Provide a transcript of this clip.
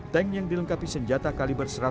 tank yang dilengkapi senjata kaliber